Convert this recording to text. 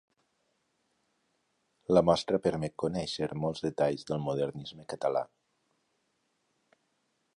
La mostra permet conèixer molts detalls del modernisme català.